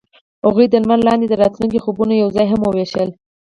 هغوی د لمر لاندې د راتلونکي خوبونه یوځای هم وویشل.